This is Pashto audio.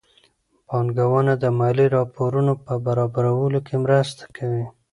بانکونه د مالي راپورونو په برابرولو کې مرسته کوي.